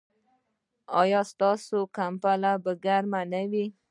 ایا ستاسو کمپله به ګرمه نه وي؟